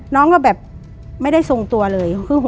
น้องก็แบบไม่ได้ทรงตัวเลย